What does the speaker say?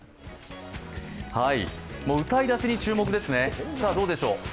歌い出しに注目ですね、さあ、どうでしょう。